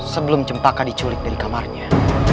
sebelum cempaka diculik dari kamarnya